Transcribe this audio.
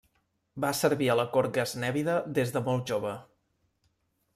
Va servir a la cort gaznèvida des de molt jove.